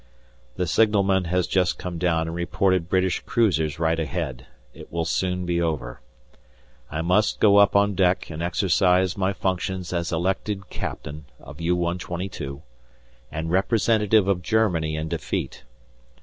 The signalman has just come down and reported British cruisers right ahead; it will soon be over. I must go up on deck and exercise my functions as elected Captain of U.122, and representative of Germany in defeat.